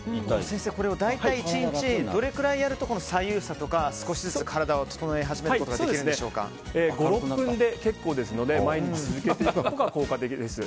先生、これは大体１日どれぐらいやると左右差とか少しずつ体を整え始めることが５６分で結構ですので毎日続けていくことが効果的です。